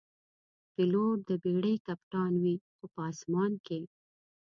پیلوټ د بېړۍ کپتان وي، خو په آسمان کې.